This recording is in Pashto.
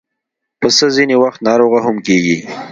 پسه ځینې وخت ناروغه هم کېږي.